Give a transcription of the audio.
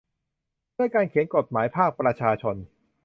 ด้วยการเขียนกฎหมายภาคประชาชน